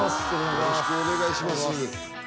よろしくお願いします